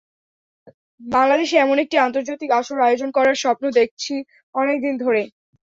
বাংলাদেশে এমন একটি আন্তর্জাতিক আসর আয়োজন করার স্বপ্ন দেখছি অনেক দিন ধরে।